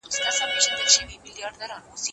ذمیان له فوجي خدمت څخه خلاص دي.